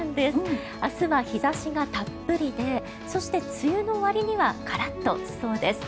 明日は日差しがたっぷりでそして梅雨の終わりにはカラッとしそうです。